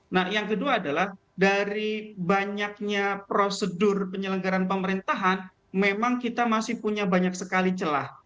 nah yang kedua adalah dari banyaknya prosedur penyelenggaran pemerintahan memang kita masih punya banyak sekali celah